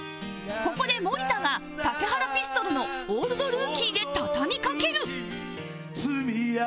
ここで森田が竹原ピストルの『オールドルーキー』で畳みかける！